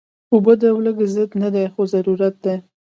اوبه د لوږې ضد نه دي، خو ضرورت دي